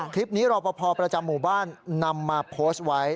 รอปภประจำหมู่บ้านนำมาโพสต์ไว้